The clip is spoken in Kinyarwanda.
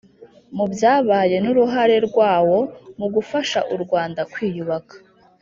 mu byabaye n’uruhare rwawo mu gufasha u rwanda kwiyubaka.